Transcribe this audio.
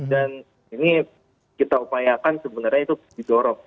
dan ini kita upayakan sebenarnya itu didorong